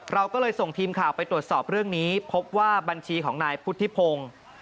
เราก็เลยส่งทีมข่าวไปตรวจสอบเรื่องนี้พบว่าบัญชีของนายพุทธิพงศ์